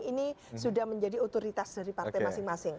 ini sudah menjadi otoritas dari partai masing masing